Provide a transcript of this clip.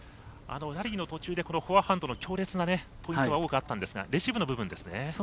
ラリーの途中でフォアハンドの強烈なポイントが多くあったんですがレシーブの部分ですね。